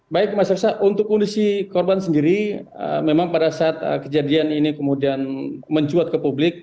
baik mas reksa untuk kondisi korban sendiri memang pada saat kejadian ini kemudian mencuat ke publik